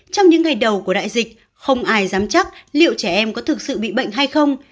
trong những ngày đầu của đại dịch không ai dám chắc liệu trẻ em có thực sự bị bệnh hay không